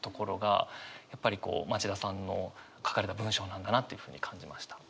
やっぱりこう町田さんの書かれた文章なんだなっていうふうに感じました。